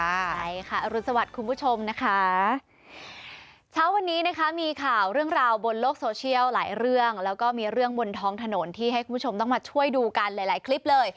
ใช่ค่ะอรุณสวัสดิ์คุณผู้ชมนะคะเช้าวันนี้นะคะมีข่าวเรื่องราวบนโลกโซเชียลหลายเรื่องแล้วก็มีเรื่องบนท้องถนนที่ให้คุณผู้ชมต้องมาช่วยดูกันหลายหลายคลิปเลย